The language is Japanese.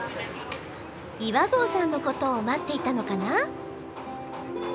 岩合さんのことを待っていたのかな？